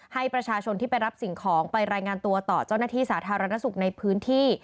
ให้ประชาชนที่ไปรับสิ่งของไปรายงานตัวต่อเจ้าหน้าที่สาธารณสุขในพื้นที่